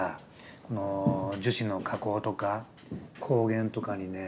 この樹脂の加工とか光源とかにね